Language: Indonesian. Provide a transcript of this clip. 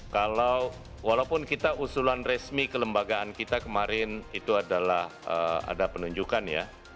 kalau walaupun kita usulan resmi kelembagaan kita kemarin itu adalah ada penunjukan ya